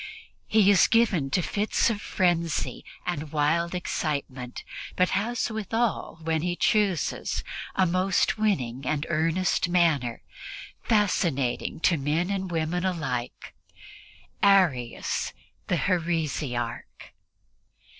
He is given to fits of frenzy and wild excitement, but has withal, when he chooses, a most winning and earnest manner, fascinating to men and women alike Arius the heresiarch.